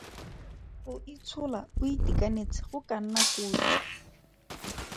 Go itshola o itekanetse go ka nna kotsi.